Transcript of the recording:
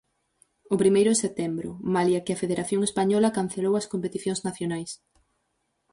O primeiro en setembro, malia que a Federación Española cancelou as competicións nacionais.